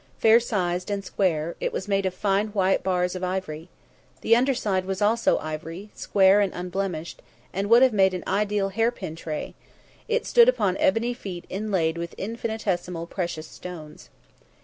Fair sized and square, it was made of fine white bars of ivory. The underside was also ivory, square and unblemished, and would have made an ideal hairpin tray; it stood upon ebony feet inlaid with infinitesimal precious stones.